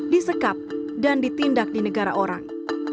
disekap dan ditindak di negara orang